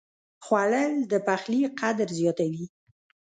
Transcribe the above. خوړل د پخلي قدر زیاتوي